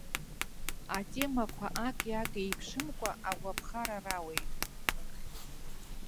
Атемақәа аки-аки еиԥшымкәа агәаԥхара рауеит.